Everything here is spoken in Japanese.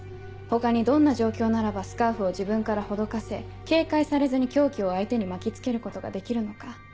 他にどんな状況ならばスカーフを自分からほどかせ警戒されずに凶器を相手に巻き付けることができるのか。